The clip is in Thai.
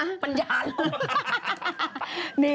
มันยาลงมา